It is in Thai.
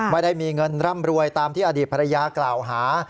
ไม่ได้มีเงินร่ำรวยตามที่อดีตภรรยากล่าวหา